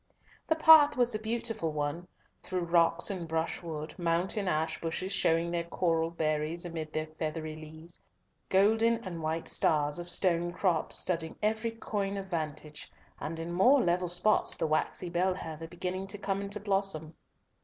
The path was a beautiful one, through rocks and brushwood, mountain ash bushes showing their coral berries amid their feathery leaves, golden and white stars of stonecrop studding every coign of vantage, and in more level spots the waxy bell heather beginning to come into blossom.